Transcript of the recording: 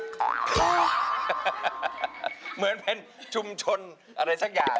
เหมือนเป็นชุมชนอะไรสักอย่าง